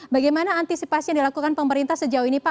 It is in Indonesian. bagaimana antisipasi yang dilakukan pemerintah sejauh ini pak